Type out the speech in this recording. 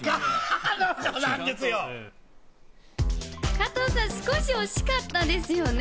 加藤さん、少し惜しかったですよね。